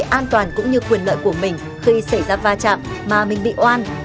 bảo vệ an toàn cũng như quyền lợi của mình khi xảy ra va chạm mà mình bị oan